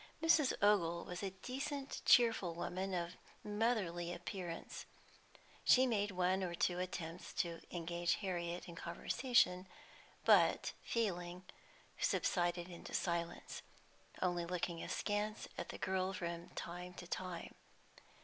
Mrs. Ogle was a decent, cheerful woman, of motherly appearance. She made one or two attempts to engage Harriet in conversation, but, failing, subsided into silence, only looking askance at the girl from time to time.